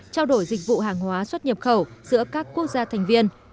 trao đổi dịch vụ hàng hóa xuất nhập khẩu giữa các quốc gia thành viên